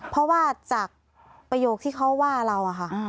เพราะว่าจากประโยคที่เขาว่าเราอะค่ะ